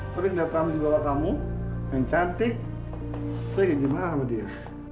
tapi kita datang di bawah kamu yang cantik saya jadi mahasiswa sama dia